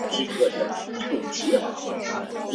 这个广场得名于波希米亚的主保圣人圣瓦茨拉夫。